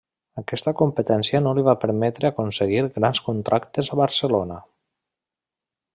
Aquesta competència no li va permetre aconseguir grans contractes a Barcelona.